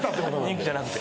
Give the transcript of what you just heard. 人気じゃなくて。